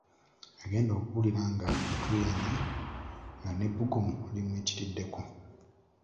Yagenda okuwulira nga atuuyanye nga n’ebbugumu limuyitiriddeko.